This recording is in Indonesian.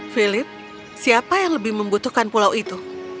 philip siapa yang lebih membutuhkan pulau itu